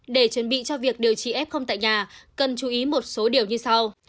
để chuẩn bị cho việc điều trị f tại nhà cần chú ý một số điều như sau